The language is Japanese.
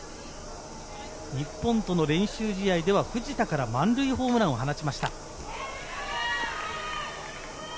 日本との練習試合では藤田から満塁ホームランを放ちました。